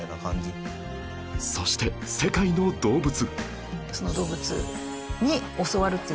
そして世界の動物